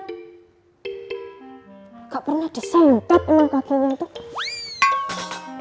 gak pernah desentat emang kakinya tuh